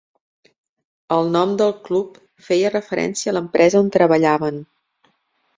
El nom del club feia referència a l'empresa on treballaven.